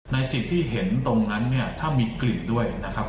ในสิ่งที่เห็นตรงนั้นถ้ามีกลิ่นด้วยนะครับ